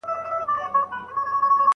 مدیتیشن مو ژوند ته ښکلا بخښي.